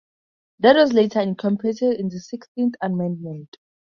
That was later incorporated into the Sixteenth Amendment.